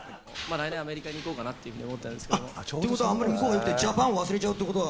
来年、アメリカに行こうかなって思ってるんですけということは、あんまり向こうに行って、ジャパンを忘れちゃうってことは。